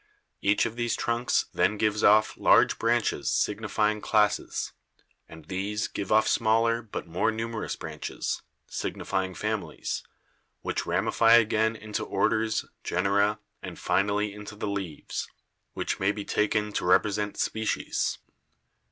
Each of these trunks then gives off large branches signifying classes, and these give off smaller but more numerous branches, signifying families, which ramify again into orders, genera and finally into the leaves, which may be taken to represent species.